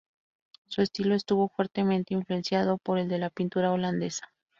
Su estilo estuvo fuertemente influenciado por el de la pintura holandesa.